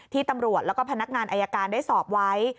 ตำรวจแล้วก็พนักงานอายการได้สอบไว้